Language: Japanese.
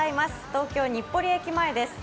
東京・日暮里駅前です。